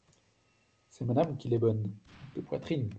C’est Madame qui l’est, bonne… de poitrine…